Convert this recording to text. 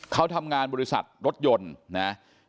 เขาทำงานบริษัทรถยนต์นะครับ